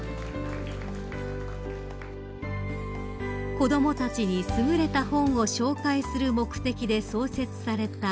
［子供たちに優れた本を紹介する目的で創設されたこの賞］